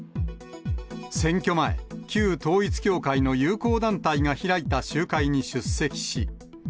選挙前、旧統一教会の友好団体が開いた集会に出席し。